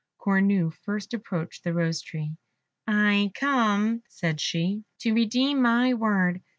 Cornue first approached the Rose tree. "I come," said she, "to redeem my word.